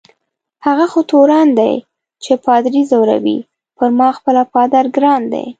هغه خو تورن دی چي پادري ځوروي، پر ما خپله پادر ګران دی.